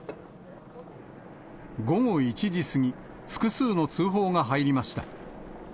午後１時過ぎ、複数の通報が入りました。